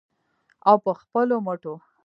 او په خپلو مټو.